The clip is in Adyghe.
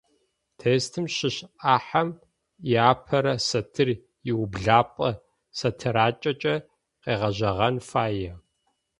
Тестым щыщ ӏахьэм иапэрэ сатыр иублапӏэ сатыракӏэкӏэ къегъэжьэгъэн фае.